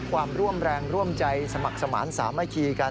ความร่วมแรงร่วมใจสมัครสมาธิสามัคคีกัน